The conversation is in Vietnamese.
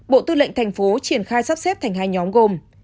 bộ tư lệnh tp hcm triển khai sắp xếp thành hai nhóm gồm